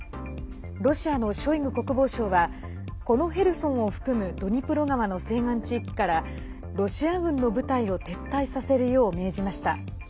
ロシアのショイグ国防相はこのヘルソンを含むドニプロ川の西岸地域からロシア軍の部隊を撤退させるよう命じました。